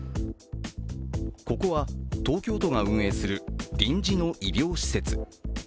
ここは東京都が運営する臨時の医療施設。